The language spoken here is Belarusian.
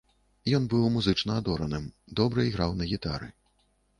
Ён быў музычна адораным, добра іграў на гітары.